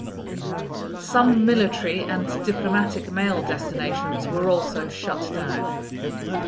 Some military and diplomatic mail destinations were also shut down.